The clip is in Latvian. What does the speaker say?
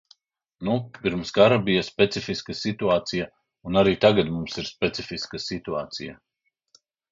Nu, pirms kara bija specifiska situācija, un arī tagad mums ir specifiska situācija.